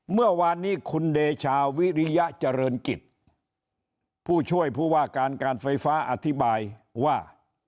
เมื่อวานนี้คุณเดชาวิริยเจริญกิจผู้ช่วยผู้ว่าการการไฟฟ้าอธิบายว่า